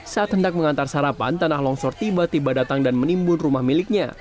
saat hendak mengantar sarapan tanah longsor tiba tiba datang dan menimbun rumah miliknya